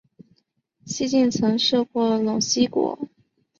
西晋曾设过陇西国。